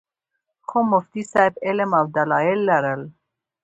خو مفتي صېب علم او دلائل لرل